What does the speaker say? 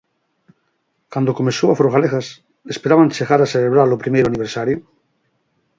Cando comezou Afrogalegas esperaban chegar a celebrar o primeiro aniversario?